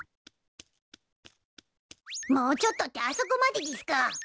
もうちょっとってあそこまででぃすか！